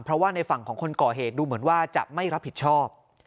เพราะว่าในฝั่งของคนก่อเหตุดูเหมือนว่าจะไม่รับผิดชอบ